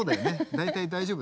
大体大丈夫。